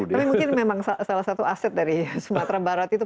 tapi mungkin memang salah satu aset dari sumatera barat itu